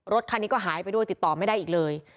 รถคันนี้ก็หายไปด้วยติดต่อไม่ได้อีกเลย